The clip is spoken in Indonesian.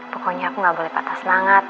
pokoknya aku nggak boleh patah semangat